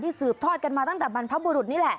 สืบทอดกันมาตั้งแต่บรรพบุรุษนี่แหละ